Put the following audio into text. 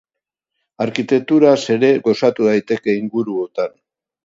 Arkitekturaz ere gozatu daiteke inguruotan.